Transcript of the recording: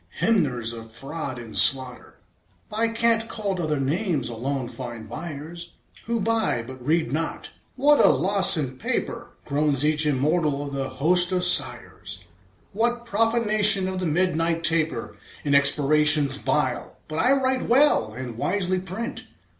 Hymners of fraud and slaughter, By cant called other names, alone find buyers Who buy, but read not. "What a loss in paper," Groans each immortal of the host of sighers! "What profanation of the midnight taper In expirations vile! But I write well, And wisely print.